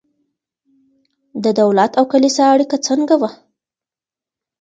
د دولت او کلیسا اړیکه څنګه وه؟